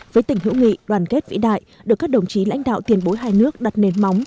với tình hữu nghị đoàn kết vĩ đại được các đồng chí lãnh đạo tiền bối hai nước đặt nền móng